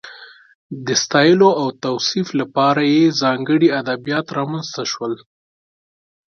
د ستایلو او توصیف لپاره یې ځانګړي ادبیات رامنځته شول.